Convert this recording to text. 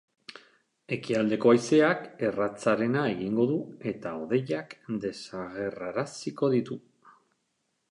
Ekialdeko haizeak erratzarena egingo du eta hodeiak desagerraraziko ditu.